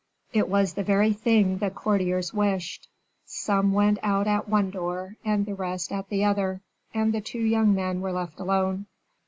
It was the very thing the courtiers wished; some went out at one door, and the rest at the other, and the two young men were left alone.